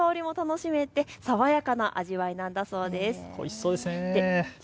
味はお米の香りも楽しめて爽やかな味わいなんだそうです。